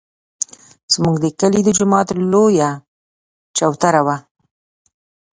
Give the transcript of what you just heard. زموږ د کلي د جومات لویه چوتره وه.